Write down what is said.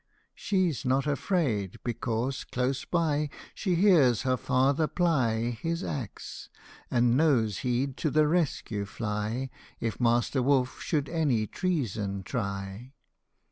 She 's not afraid, Because close by She hears her father ply His axe, and knows he'd to the rescue fly If Master Wolf should any treason try.